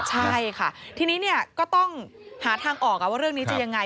ใช่ค่ะทีนี้ก็ต้องหาทางออกว่าเรื่องนี้จะยังไง